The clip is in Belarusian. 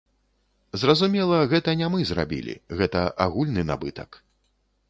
Зразумела, гэта не мы зрабілі, гэта агульны набытак.